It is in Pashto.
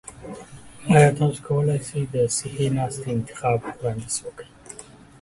ایا تاسو کولی شئ د صحي ناستي انتخاب وړاندیز وکړئ؟